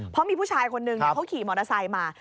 เพราะมีผู้ชายคนนึงเขาขี่มอเตอร์ไซค์มา